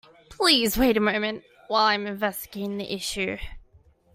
Please wait a moment while I am investigating the issue.